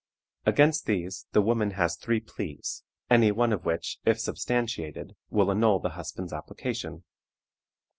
Against these the woman has three pleas, any one of which, if substantiated, will annul the husband's application.